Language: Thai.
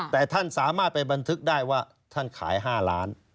แต่ท่านสามารถไปบันทึกได้ว่าท่านขาย๕ล้าน